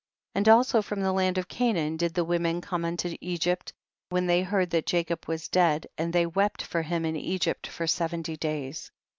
28. And also from the land of Canaan did the women come unto Egypt when they heard that Jacob was dead, and they wept for him in Egypt for seventy days.